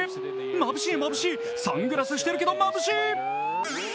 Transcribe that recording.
まぶしい、まぶしいサングラスしてるけどまぶしい！